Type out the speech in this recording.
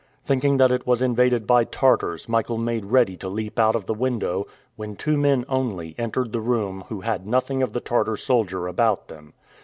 Thinking that it was invaded by Tartars, Michael made ready to leap out of the window, when two men only entered the room who had nothing of the Tartar soldier about them.